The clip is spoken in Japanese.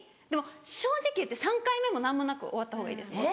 でも正直言って３回目も何もなく終わったほうがいいです。